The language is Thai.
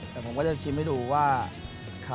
แต่ผมก็จะชิมให้ดูว่า